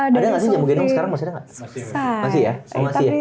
ada gak sih jamu gendong sekarang mas